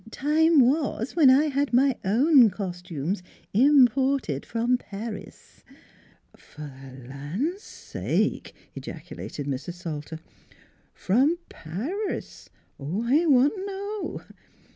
Time was when I had my own m m m cos tumes im ported from Paris." " Fer th' land sake !" ejaculated Mrs. Salter, " from Paris ! I want t' know."